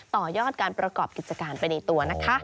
ต่อยอดการประกอบกิจการไปในตัวนะคะ